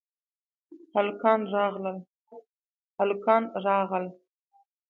هلکان راغل